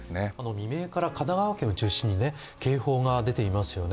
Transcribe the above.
未明から神奈川県を中心に警報が出ていますよね。